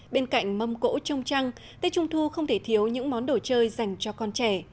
bên cạnh mâm cỗ trong trăng tết trung thu không thể thiếu những món đồ chơi dành cho con trẻ